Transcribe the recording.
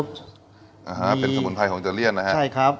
เป็นสมุนไพรของอิตาเลียนนะครับ